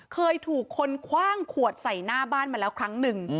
เคยถูกคนคว่างขวดใส่หน้าบ้านมาแล้วครั้งหนึ่ง